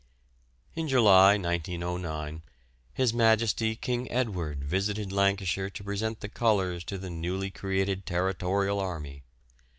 In July, 1909, His Majesty King Edward visited Lancashire to present the colours to the newly created Territorial Army.